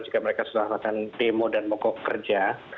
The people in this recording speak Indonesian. juga mereka sudah makan demo dan mau kok kerja